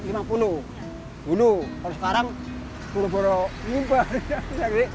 kalau sekarang buru buru lima puluh